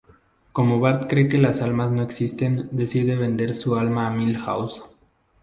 Como Bart cree que las almas no existen, decide vender su alma a Milhouse.